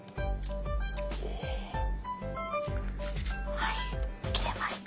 はい切れました。